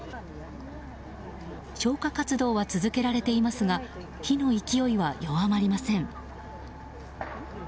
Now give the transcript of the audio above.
消火活動は続けられていますが火の勢いは弱まりません。